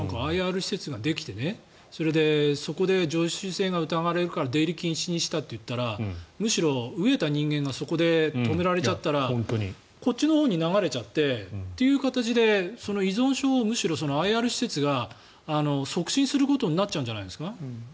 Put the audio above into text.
ＩＲ施設ができてそれで常習性が疑われるから出入り禁止にしたと言ったらむしろ飢えた人間がそこで止められたらこっちのほうに流れちゃってという形で依存症をむしろＩＲ施設が促進することになっちゃうんじゃないですか？